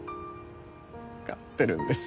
分かってるんです。